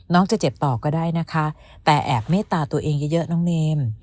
จะเจ็บต่อก็ได้นะคะแต่แอบเมตตาตัวเองเยอะน้องเนม